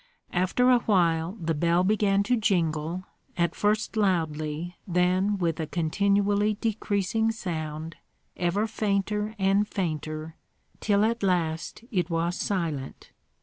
After a while the bell began to jingle, at first loudly, then with a continually decreasing sound, ever fainter and fainter, till at last it was silent.